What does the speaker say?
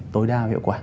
tối đa hiệu quả